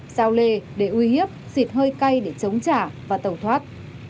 sao lê để uy hiếp xịt hơi cay để chống trả và tẩu thoát